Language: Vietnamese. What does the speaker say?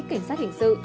cảnh sát hình sự